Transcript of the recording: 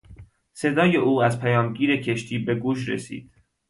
صدای او از پیامگیر کشتی به گوش رسید.